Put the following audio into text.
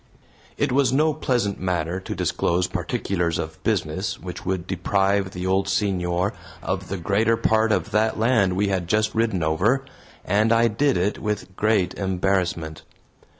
It was no pleasant matter to disclose particulars of business which would deprive the old senor of the greater part of that land we had just ridden over, and I did it with great embarrassment.